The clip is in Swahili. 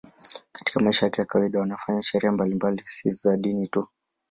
Katika maisha ya kawaida watu wanafanya sherehe mbalimbali, si za dini tu.